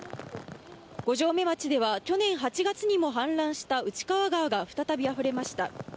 五城目町では、去年８月にも氾濫した内川川が再びあふれました。